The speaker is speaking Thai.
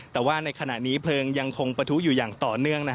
แต่ว่าในขณะนี้เพลิงยังคงปะทุอยู่อย่างต่อเนื่อง